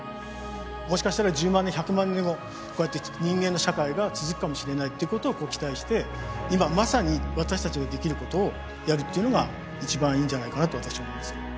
もしかしたら１０万年１００万年後こうやって人間の社会が続くかもしれないっていうことを期待して今まさに私たちができることをやるっていうのが一番いいんじゃないかなと私は思います。